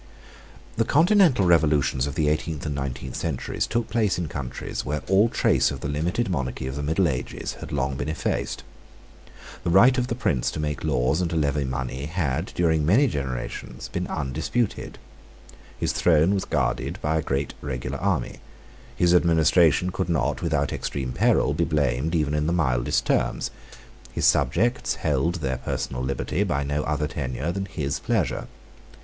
The continental revolutions of the eighteenth and nineteenth centuries took place in countries where all trace of the limited monarchy of the middle ages had long been effaced. The right of the prince to make laws and to levy money had, during many generations, been undisputed. His throne was guarded by a great regular army. His administration could not, without extreme peril, be blamed even in the mildest terms. His subjects held their personal liberty by no other tenure than his pleasure.